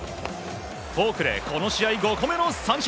フォークでこの試合５個目の三振。